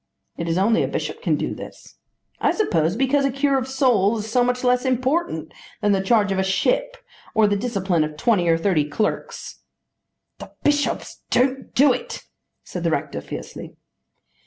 It is only a bishop can do this; I suppose because a cure of souls is so much less important than the charge of a ship or the discipline of twenty or thirty clerks." "The bishops don't do it," said the rector fiercely.